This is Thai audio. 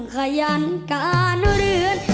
ขยันการเรียน